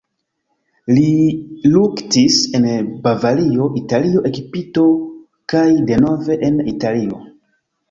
Li luktis en Bavario, Italio, Egipto kaj denove en Italio.